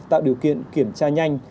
tạo điều kiện kiểm tra nhanh